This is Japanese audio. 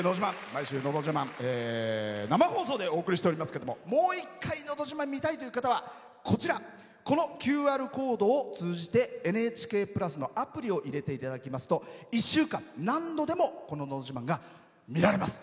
毎週生放送でお送りしていますがもう一回「のど自慢」見たいという方はこのＱＲコードを通じて「ＮＨＫプラス」のアプリを入れていただきますと１週間で何度でもこの番組が見られます。